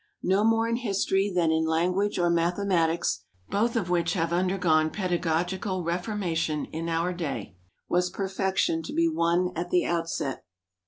No more in history than in language or mathematics, both of which have undergone pedagogical reformation in our day, was perfection to be won at the outset.